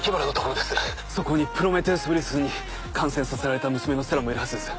そこにプロメテウス・ウイルスに感染させられた娘の星来もいるはずです。